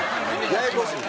ややこしい。